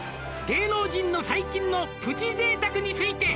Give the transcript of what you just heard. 「芸能人の最近のプチ贅沢について」